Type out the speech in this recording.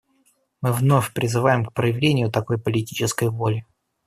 Мы вновь призываем к проявлению такой политической воли.